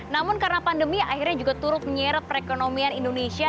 namun karena pandemi akhirnya juga turut menyeret perekonomian indonesia